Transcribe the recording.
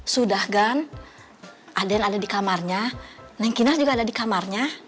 sudah gan aden ada di kamarnya neng kina juga ada di kamarnya